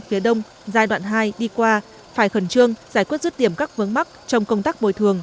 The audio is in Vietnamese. phía đông giai đoạn hai đi qua phải khẩn trương giải quyết rứt điểm các vướng mắc trong công tác bồi thường